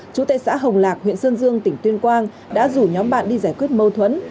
chú tệ xã hồng lạc huyện sơn dương tỉnh tuyên quang đã rủ nhóm bạn đi giải quyết mâu thuẫn